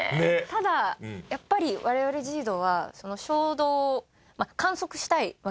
ただやっぱり我々ＪＩＤＯはその衝動を観測したいわけですから。